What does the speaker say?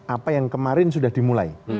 apa yang kemarin sudah dimulai